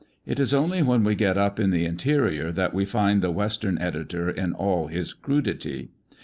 It is only when we get up in the interior that we find the western editor in all his crudity.